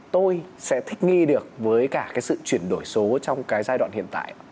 tôi sẽ thích nghi được với cả cái sự chuyển đổi số trong cái giai đoạn hiện tại